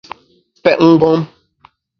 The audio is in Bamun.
Pèt mgbom !